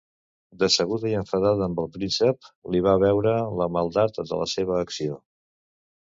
Decebuda i enfadada amb el príncep li fa veure la maldat de la seva acció.